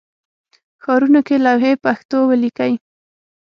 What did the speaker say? ښارونو کې لوحې پښتو ولیکئ